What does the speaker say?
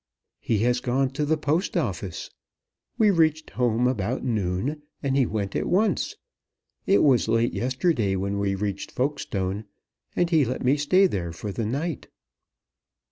"He has gone to the Post Office. We reached home about noon, and he went at once. It was late yesterday when we reached Folkestone, and he let me stay there for the night."